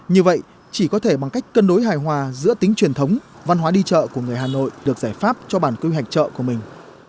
như vậy chỉ có thể bằng cách cân đối hài hòa giữa tính truyền thống văn hóa đi chợ của người hà nội được giải pháp cho bản quy hoạch chợ của mình